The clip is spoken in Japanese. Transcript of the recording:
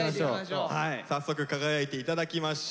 早速輝いていただきましょう。